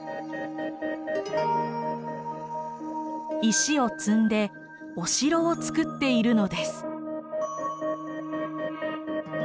石を積んでお城を作っているのです。